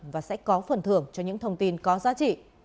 và sẽ có phần thưởng cho những thông tin có giá trị